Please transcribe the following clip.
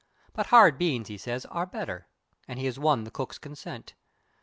But hard beans, he says, are better, and he has won the cook's consent.